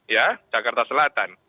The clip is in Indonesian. ya jakarta selatan